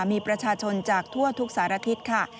มีประชาชนจากทั่วทุกสารทิศค่ะ